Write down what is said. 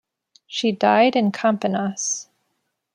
She died in Campinas.